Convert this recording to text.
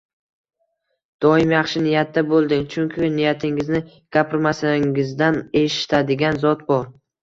Doim yaxshi niyatda bo‘ling, chunki niyatingizni gapirmasingizdan eshitadigan Zot bor